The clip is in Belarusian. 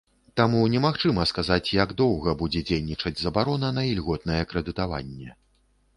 Таму немагчыма сказаць, як доўга будзе дзейнічаць забарона на ільготнае крэдытаванне.